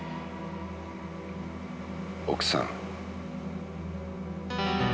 奥さん。